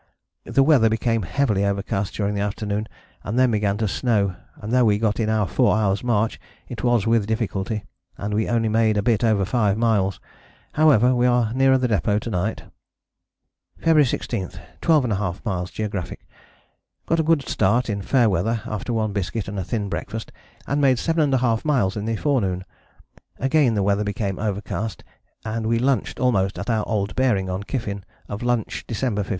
The weather became heavily overcast during the afternoon and then began to snow, and though we got in our 4 hours' march it was with difficulty, and we only made a bit over 5 miles. However, we are nearer the depôt to night." "February 16. 12½ m. geog. Got a good start in fair weather after one biscuit and a thin breakfast, and made 7½ m. in the forenoon. Again the weather became overcast and we lunched almost at our old bearing on Kyffin of lunch Dec. 15.